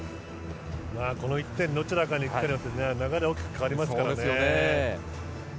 この１点どちらにくるかで流れが大きく変わりますからね。